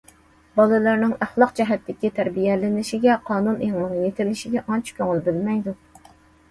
بالىلىرىنىڭ ئەخلاق جەھەتتىكى تەربىيەلىنىشىگە، قانۇن ئېڭىنىڭ يېتىلىشىگە ئانچە كۆڭۈل بۆلمەيدۇ.